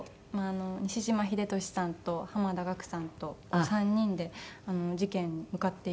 西島秀俊さんと濱田岳さんと３人で事件に向かっていくお話なんですけど。